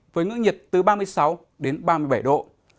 với ngưỡng nhiệt từ ba mươi sáu đến ba mươi bảy độ